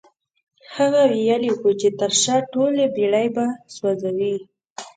هغه ويلي وو چې تر شا ټولې بېړۍ به سوځوي.